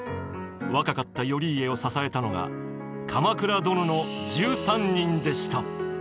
若かった頼家を支えたのが鎌倉殿の１３人でした。